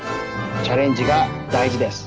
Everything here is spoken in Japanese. チャレンジがだいじです。